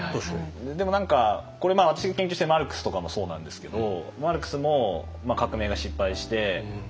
でも何かこれ私が研究しているマルクスとかもそうなんですけどマルクスも革命が失敗して亡命者になってイギリスに行って。